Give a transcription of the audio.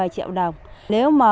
một mươi triệu đồng nếu mà